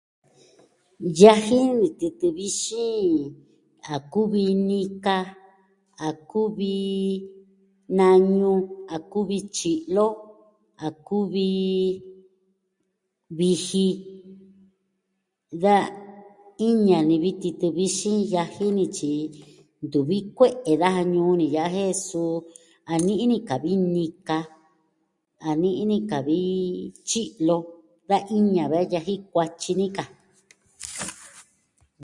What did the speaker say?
Yaji ni titɨ vixin, a kuvi nika, a kuvi nañu, a kuvi tyi'lo, a kuvi viji. Da iña ni vi titɨ vixin yaji ni, tyi ntuvi kue'e daja ñuu ni ya'a. Jen suu a ni'i ni ka vi nika. A ni'i ni ka vi tyi'lo. Da iña da yaji kuayi ni ka.